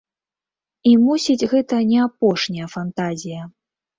І, мусіць, гэта не апошняя фантазія.